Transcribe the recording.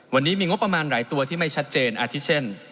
วันนี้มีงบประมาณหลายตัวที่ไม่ชัดเจนอาทิตเช่น